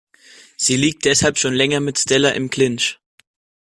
Sie liegt deshalb schon länger mit Stella im Clinch.